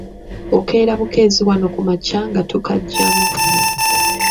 Okeera bukeezi wano kumakya nga tukaggyamu.